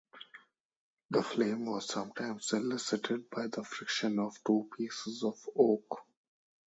The flame was sometimes elicited by the friction of two pieces of oak.